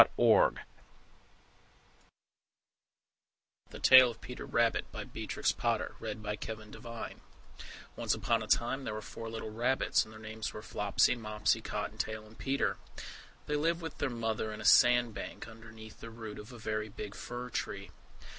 TOD THE TALE OF PIGLING BLAND GINGER AND PICKLES THE TALE OF PETER RABBIT Once upon a time there were four little Rabbits, and their names were Flopsy, Mopsy, Cotton tail, and Peter. They lived with their Mother in a sand bank, underneath the root of a very big fir tree.